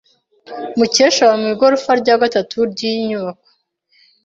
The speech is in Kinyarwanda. Mukesha aba mu igorofa rya gatatu ryiyi nyubako.